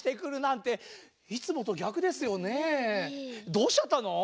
どうしちゃったの？